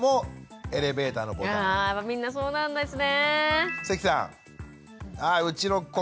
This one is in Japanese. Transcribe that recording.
みんなそうなんですね。